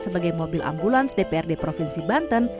sebagai mobil ambulans dprd provinsi banten